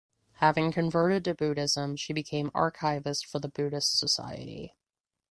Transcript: Having converted to Buddhism she became Archivist for the Buddhist Society.